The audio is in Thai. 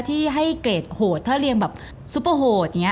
ที่ให้เกรดโหดถ้าเรียงแบบซุปเปอร์โหดอย่างนี้